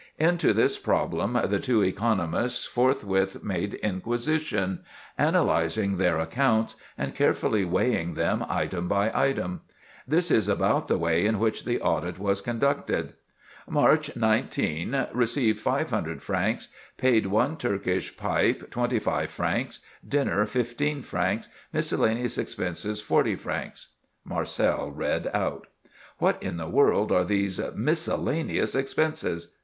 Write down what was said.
Into this problem the two economists forthwith made inquisition, analyzing their accounts, and carefully weighing them item by item. This is about the way in which the audit was conducted:— "March 19.—Received five hundred francs. Paid, one Turkish pipe, twenty five francs; dinner, fifteen francs; miscellaneous expenses, forty francs," Marcel read out. "What in the world are these miscellaneous expenses?"